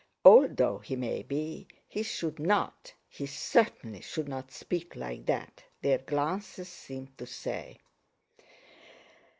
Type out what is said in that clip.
"Old though he may be, he should not, he certainly should not, speak like that," their glances seemed to say.